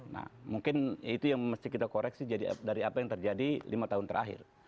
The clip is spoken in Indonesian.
nah mungkin itu yang mesti kita koreksi dari apa yang terjadi lima tahun terakhir